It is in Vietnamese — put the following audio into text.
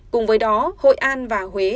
cùng với đó hội an và huế